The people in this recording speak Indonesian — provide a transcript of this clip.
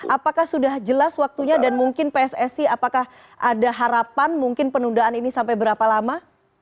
apakah sudah jelas waktunya dan mungkin pssi apakah ada harapan mungkin penundaan ini sampai berapa lama